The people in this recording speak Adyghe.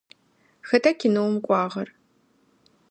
Хэта кинэум кӏуагъэр?